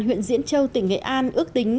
huyện diễn châu tỉnh nghệ an ước tính